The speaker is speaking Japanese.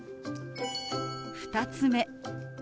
２つ目。